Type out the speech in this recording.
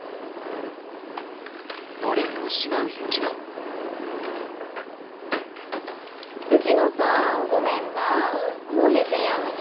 雪乃さんごめんなぁもう閉店やのに。